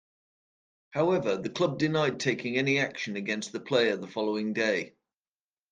However, the club denied taking any action against the player the following day.